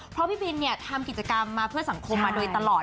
เพราะพี่บินทำกิจกรรมมาเพื่อสังคมมาโดยตลอด